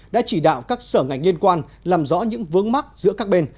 đã chỉ đạo các sở ngành liên quan làm rõ những vướng mắt giữa các bên